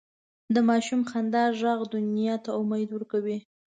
د ماشوم خندا ږغ دنیا ته امید ورکوي.